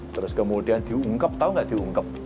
terus kemudian diungkep tahu enggak diungkep